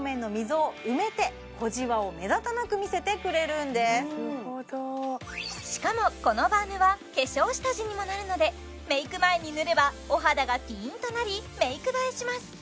お顔の小じわなど気になる部分に当てるとしかもこのバームは化粧下地にもなるのでメイク前に塗ればお肌がピーンとなりメイク映えします